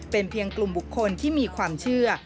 เป็นเพียงกลุ่มบุคคลที่มีความเชื่อ